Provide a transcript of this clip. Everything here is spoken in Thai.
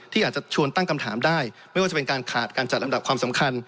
อาจจะชวนตั้งคำถามได้ไม่ว่าจะเป็นการขาดการจัดลำดับความสำคัญ